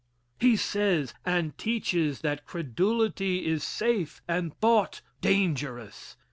He says and teaches that credulity is safe and thought dangerous.